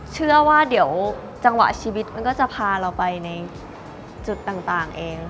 เชื่อว่าเดี๋ยวจังหวะชีวิตมันก็จะพาเราไปในจุดต่างเอง